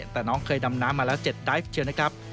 แต่น้องเคยดำน้ำมาแล้ว๗ไดฟ์เชียวนะครับ